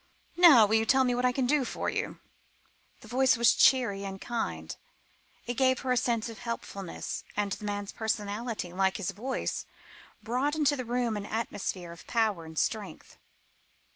"Now will you tell me what I can do for you?" The voice was cheery and kind; it gave her a sense of helpfulness, and the man's personality, like his voice, brought into the room an atmosphere of power and strength.